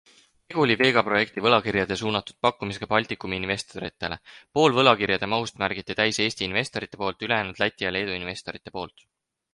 Tegu oli Vega projekti võlakirjade suunatud pakkumisega Baltikumi investoritele - pool võlakirjade mahust märgiti täis Eesti investorite poolt, ülejäänud Läti ja Leedu investorite poolt.